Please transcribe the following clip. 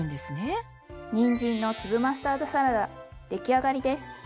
にんじんの粒マスタードサラダ出来上がりです。